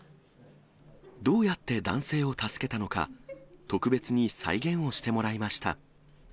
どうやって男性を助けたのか、特別に再現をしてもらいました。